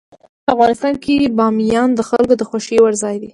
افغانستان کې بامیان د خلکو د خوښې وړ ځای دی.